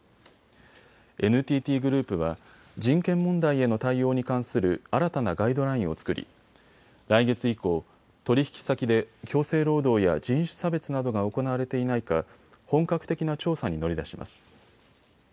ＮＴＴグループは人権問題への対応に関する新たなガイドラインを作り来月以降、取引先で強制労働や人種差別などが行われていないか本格的な調査に乗り出します。